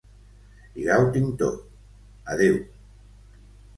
Ja ho tinc tot, adeu.